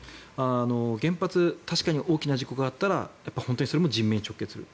原発確かに大きな事故があったらそれも人命に直結する。